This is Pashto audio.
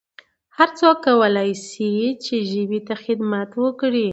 هرڅوک کولای سي چي ژبي ته خدمت وکړي